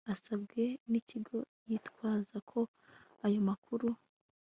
asabwe n Ikigo yitwaza ko ayo makuru